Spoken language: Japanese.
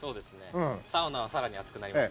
サウナはさらに暑くなります。